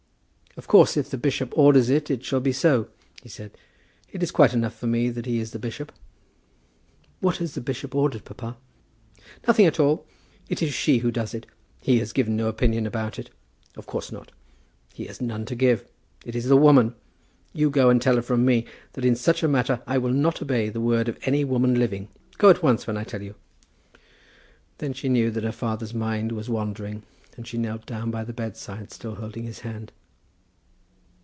"Of course if the bishop orders it, it shall be so," he said. "It is quite enough for me that he is the bishop." "What has the bishop ordered, papa?" "Nothing at all. It is she who does it. He has given no opinion about it. Of course not. He has none to give. It is the woman. You go and tell her from me that in such a matter I will not obey the word of any woman living. Go at once, when I tell you." Then she knew that her father's mind was wandering, and she knelt down by the bedside, still holding his hand.